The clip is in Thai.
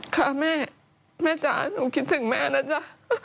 ค่ะแม่แม่จ๋าหนูคิดถึงแม่นะจ๊ะ